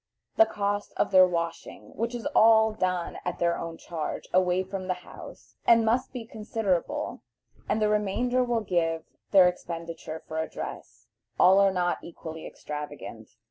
the cost of their washing, which is all done at their own charge, away from the house, and must be considerable, and the remainder will give their expenditure for dress. All are not equally extravagant.